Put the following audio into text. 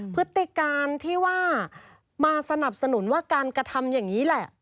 พฤติการที่ว่ามาสนับสนุนว่าการกระทำอย่างนี้แหละ